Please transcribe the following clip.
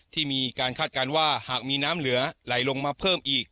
ที่มีการคาดการณ์ว่าหากมีน้ำเหลือไหลลงมาเพิ่มอีก